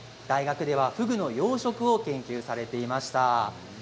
大学ではフグの養殖を研究されていました。